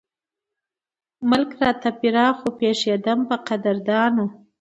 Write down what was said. ملک راته فراخ وو پېښېدم پۀ قدردانو